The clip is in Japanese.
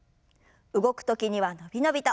動く時には伸び伸びと。